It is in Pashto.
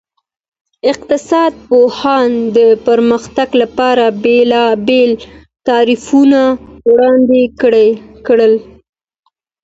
اقتصاد پوهانو د پرمختګ لپاره بېلابېل تعریفونه وړاندې کړل.